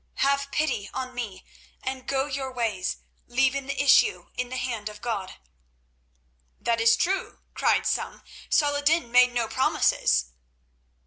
Have pity on me and go your ways, leaving the issue in the hand of God." "That is true," cried some. "Saladin made no promises."